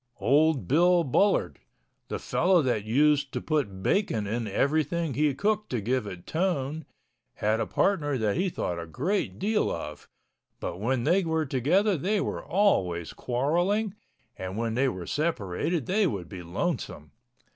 Old Bill Bullard, the fellow that used to put bacon in everything he cooked to give it tone, had a partner that he thought a great deal of, but when they were together they were always quarreling and when they were separated they would be lonesome.